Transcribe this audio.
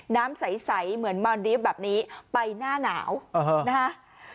น้ำใสเหมือนมารีฟแบบนี้ไปหน้าหนาวนะฮะ